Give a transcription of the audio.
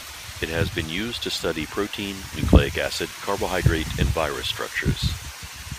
It has been used to study protein, nucleic acid, carbohydrate and virus structures.